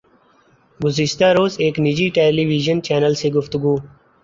گزشتہ روز ایک نجی ٹیلی وژن چینل سے گفتگو